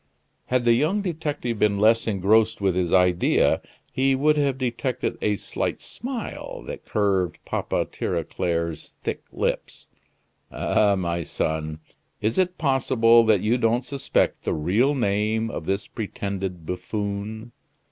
Had the young detective been less engrossed with his idea, he would have detected a slight smile that curved Papa Tirauclair's thick lips. "Ah, my son! is it possible that you don't suspect the real name of this pretended buffoon?"